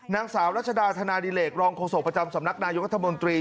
นางสาวรัชดาธนาดิเหลกรองโฆษกประจำสำนักนายกรัฐมนตรี